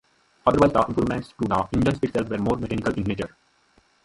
Otherwise, the improvements to the engine itself were more mechanical in nature.